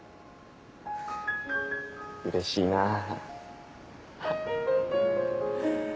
うれしいな。